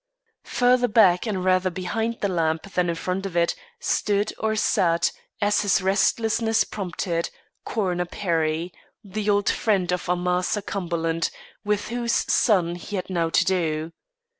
Further back and rather behind the lamp than in front of it stood or sat, as his restlessness prompted, Coroner Perry, the old friend of Amasa Cumberland, with whose son he had now to do.